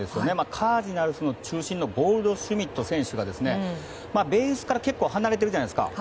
カージナルスの中心のゴールドシュミット選手がベースから結構離れてるじゃないですか。